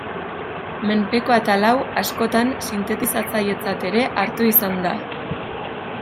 Menpeko atal hau, askotan, sintetizatzailetzat ere hartu izan da.